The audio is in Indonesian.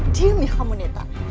diam nih kamu netan